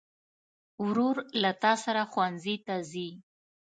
ورور له تا سره ښوونځي ته ځي.